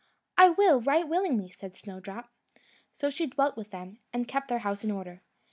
"I will, right willingly," said Snowdrop. So she dwelt with them, and kept their house in order.